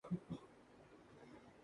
اپنے آپ کو حقدار ثواب قرار دے لیتےہیں